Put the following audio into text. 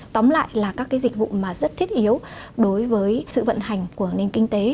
tóm lại là các cái dịch vụ mà rất thiết yếu đối với sự vận hành của nền kinh tế